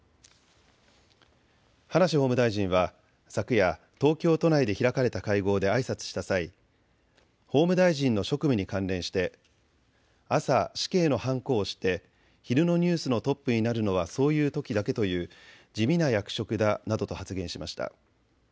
葉梨法務大臣は昨夜、東京都内で開かれた会合であいさつした際、法務大臣の職務に関連して朝、死刑のはんこを押して昼のニュースのトップになるのはそういうときだけという地味な役職だなどと発言しました。